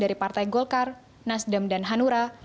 dari partai golkar nasdem dan hanura